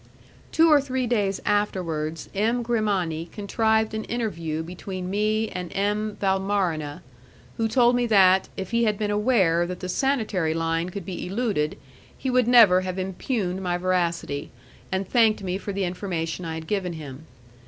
Two or three days afterwards, M. Grimani contrived an interview between me and M. Valmarana, who told me that, if he had been aware that the sanitary line could be eluded, he would never have impugned my veracity, and thanked me for the information I had given him.